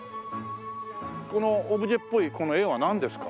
このオブジェっぽいこの絵はなんですか？